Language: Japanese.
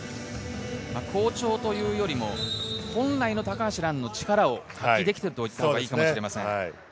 好調というよりも本来の高橋藍の力を発揮できているといったらいいかもしれません。